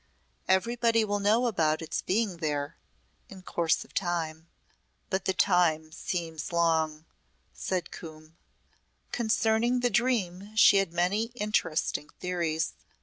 "Everybody will know about its being there in course of time." "But the time seems long," said Coombe. Concerning the dream she had many interesting theories.